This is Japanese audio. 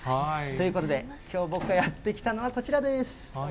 ということで、きょう僕がやって来たのは、こちらです。